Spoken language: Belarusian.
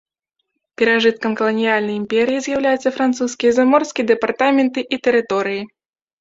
Перажыткам каланіяльнай імперыі з'яўляюцца французскія заморскія дэпартаменты і тэрыторыі.